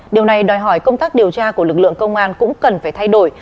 điều này đòi hỏi công tác điều tra của lực lượng công an cũng cần phải thay đổi